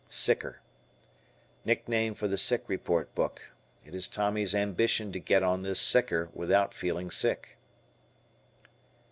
"Sicker." Nickname for the sick report book. It is Tommy's ambition to get on this "sicker" without feeling sick.